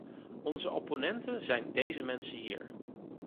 Onze opponenten zijn deze mensen hier!